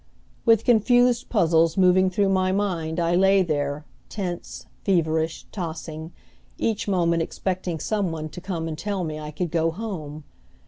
With confused puzzles moving through my mind I lay there, tense, feverish, tossing, each moment expecting some one to come and tell me I could go home.